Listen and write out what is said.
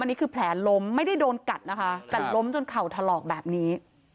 อันนี้คือแผลล้มไม่ได้โดนกัดนะคะแต่ล้มจนเข่าถลอกแบบนี้